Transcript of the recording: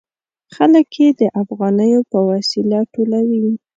خلک یې د افغانیو په وسیله ټولوي.